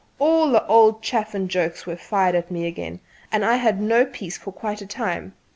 All the old chaff and jokes were fired off at me again, and I had no peace for quite a time.